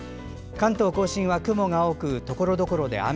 関東・甲信は雲が多くところどころで雨。